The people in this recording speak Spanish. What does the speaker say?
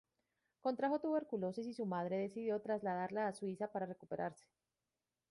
Contrajo tuberculosis y su madre decidió trasladarla a Suiza para recuperarse.